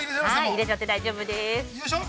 ◆入れちゃって大丈夫です。